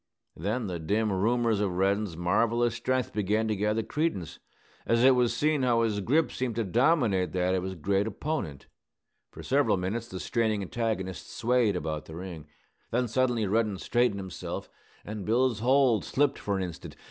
Then the dim rumors of Reddin's marvellous strength began to gather credence, as it was seen how his grip seemed to dominate that of his great opponent. For several minutes the straining antagonists swayed about the ring. Then suddenly Reddin straightened himself, and Bill's hold slipped for an instant.